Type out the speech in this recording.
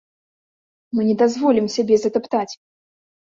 Мы не дазволім сябе затаптаць!